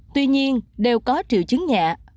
tuy nhiên đều có triệu chứng nhẹ